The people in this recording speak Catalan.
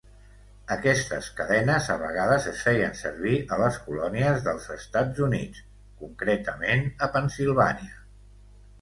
Aquestes cadenes a vegades es feien servir a les colònies dels Estats Units, concretament a Pennsilvània.